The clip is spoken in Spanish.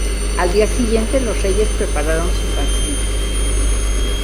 Al día siguiente, los reyes prepararon su partida.